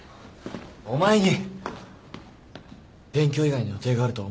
お前に勉強以外の予定があるとは思えない。